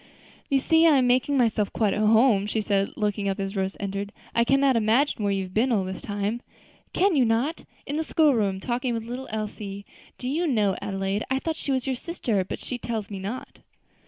"You see I am making myself quite at home," she said, looking up as Rose entered. "I cannot imagine where you have been all this time." "Can you not? In the school room, talking with little Elsie. Do you know, Adelaide, I thought she was your sister; but she tells me not."